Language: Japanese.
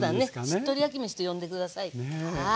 しっとり焼きめしと呼んで下さい。